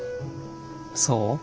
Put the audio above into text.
そう？